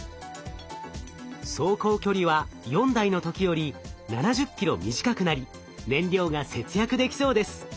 走行距離は４台の時より７０キロ短くなり燃料が節約できそうです。